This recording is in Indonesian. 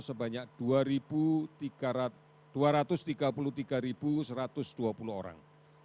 sebanyak dua ratus tiga puluh tiga satu ratus dua puluh orang